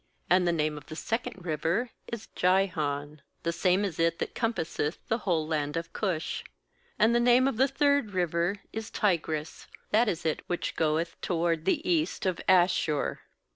13And the name of the second river is Gihon; the same is it that compasseth the whole land of Cush. 14And the name of the third river is aTigris; that is it which goeth toward the east of Asshur.